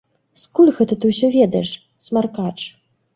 Скуль гэта ты ўсё ведаеш, смаркач?